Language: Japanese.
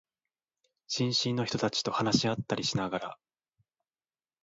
新進の人たちと話し合ったりしながら、